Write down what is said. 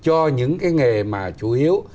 cho những cái nghề mà chủ yếu